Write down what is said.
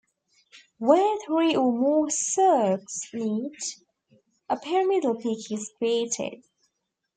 Where three or more cirques meet, a pyramidal peak is created.